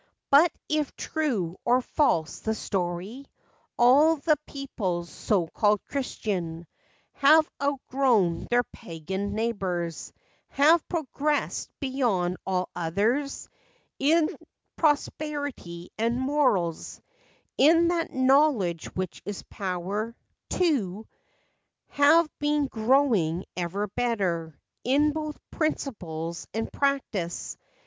But, if true or false the story, All the peoples so called Christian, Have outgrown their Pagan neighbors; Have progressed beyond all others In prosperity and morals— In that knowledge which is power, too— Have been growing ever better In both principles and practice.